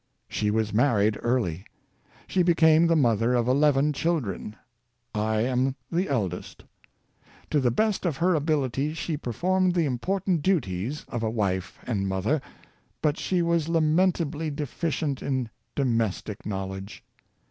She was married early. She became the mother of eleven children; I am the eldest. To the best of her ability she performed the important duties of a wife and mother. But she was lamentably defi cient in domestic knowledge.